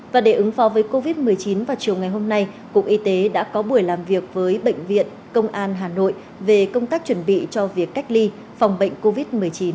và để ứng phó với covid một mươi chín vào chiều ngày hôm nay cục y tế đã có buổi làm việc với bệnh viện công an hà nội về công tác chuẩn bị cho việc cách ly phòng bệnh covid một mươi chín